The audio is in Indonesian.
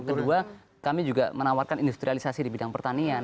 kedua kami juga menawarkan industrialisasi di bidang pertanian